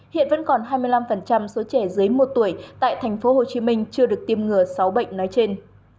hiện vẫn còn hai mươi năm số trẻ dưới một tuổi tại thành phố hồ chí minh chưa được tiêm ngừa sáu bệnh nói trên